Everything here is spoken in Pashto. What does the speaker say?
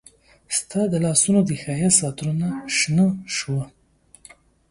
ستا د لاسونو د ښایست عطرونه شنه شوه